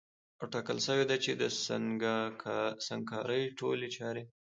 او ټاکل سوې ده چي د سنګکارۍ ټولي چاري